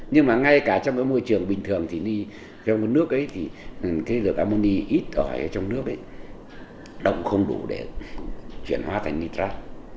nhưng mà ngay cả trong môi trường bình thường thì trong nước ấy thì cái lượng ammoni ít ở trong nước ấy động không đủ để chuyển hóa thành nitrat